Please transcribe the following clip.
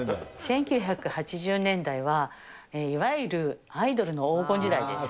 １９８０年代は、いわゆるアイドルの黄金時代です。